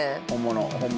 本物。